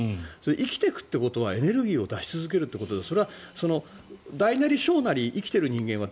生きていくということはエネルギーを出していくということでそれは、大なり小なり生きている人間は